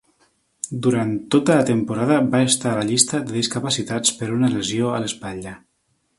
Durant tota la temporada va estar a la llista de discapacitats per una lesió a l'espatlla.